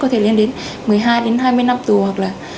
có thể lên đến một mươi hai đến hai mươi năm tù hoặc là